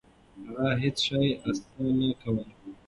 هغه په هیڅ شي اسره نه کوله. .